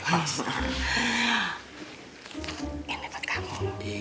ini buat kamu